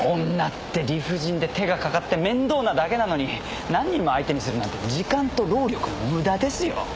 女って理不尽で手がかかって面倒なだけなのに何人も相手にするなんて時間と労力の無駄ですよ。